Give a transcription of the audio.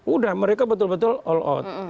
udah mereka betul betul all out